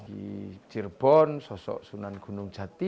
di cirebon sosok sunan gunung jati